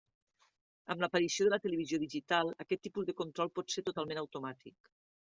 Amb l'aparició de la televisió digital aquest tipus de control pot ser totalment automàtic.